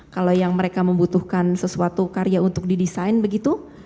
kalau yang mereka membutuhkan sesuatu karya untuk didesain begitu